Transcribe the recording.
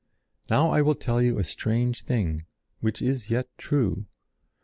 "Now I will tell you a strange thing, which is yet true.